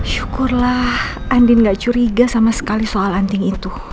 syukurlah andin gak curiga sama sekali soal anting itu